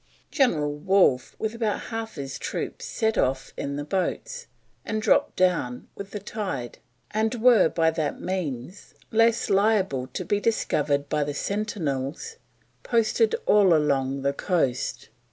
General Wolfe with about half his troops set off in the boats, and dropped down with the tide, and were by that means less liable to be discovered by the sentinels posted all along the coast.